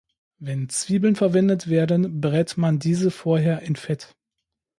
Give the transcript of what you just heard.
Wenn Zwiebeln verwendet werden, brät man diese vorher in Fett.